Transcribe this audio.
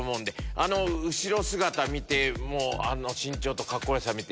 あの後ろ姿見てあの身長とカッコよさ見て。